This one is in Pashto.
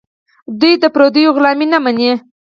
دوی د پردیو غلامي نه مني.